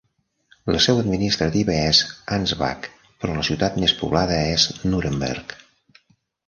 La seu administrativa és Ansbach, però la ciutat més poblada és Nuremberg.